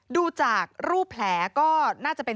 ดูจากรูปแผลก็น่าจะเป็น